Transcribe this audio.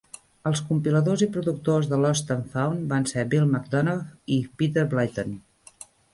Els compiladors i productors de "Lost and Found" van ser Bill McDonough i Peter Blyton.